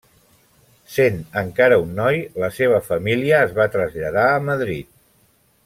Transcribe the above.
Sent encara un noi la seva família es va traslladar a Madrid.